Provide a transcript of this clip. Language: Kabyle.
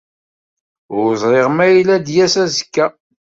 Ur ẓriɣ ma yella ad d-yas azekka.